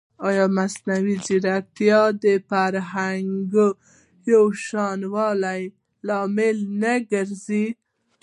ایا مصنوعي ځیرکتیا د فرهنګي یوشان والي لامل نه ګرځي؟